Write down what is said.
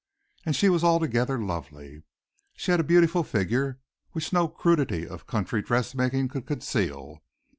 And she was altogether lovely. She had a beautiful figure, which no crudity of country dressmaking could conceal.